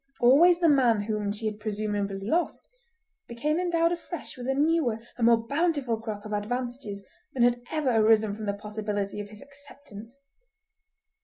Always the man whom she had presumably lost became endowed afresh with a newer and more bountiful crop of advantages than had ever arisen from the possibility of his acceptance.